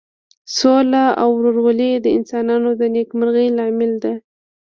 سوله او ورورولي د انسانانو د نیکمرغۍ لامل ده.